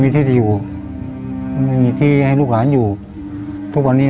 มันทำให้พ่อแม่หนูต้องด้วย